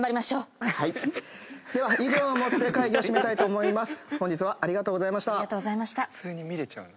では以上をもって会議を締めたいと思います。